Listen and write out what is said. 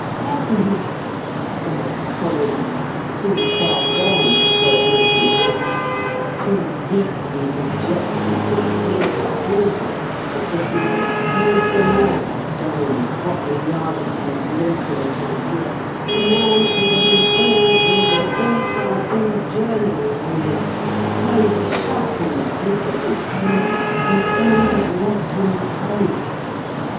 "Heavens!" gulped Collins, too far gone to say anything else, too deeply dejected to think of anything but that he had had the man for whom Scotland Yard had been groping for a year the man over whom all England, all France, all Germany wondered close shut in the grip of his hands and then had let him go.